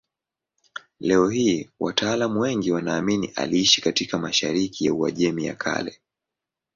Leo hii wataalamu wengi wanaamini aliishi katika mashariki ya Uajemi ya Kale.